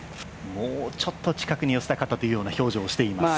もうちょっと近くに寄せたかったというような表情をしています。